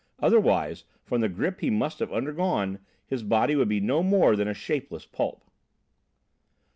Otherwise, from the grip he must have undergone, his body would be no more than a shapeless pulp."